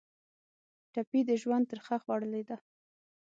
ټپي د ژوند ترخه خوړلې ده.